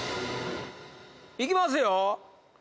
いきますよ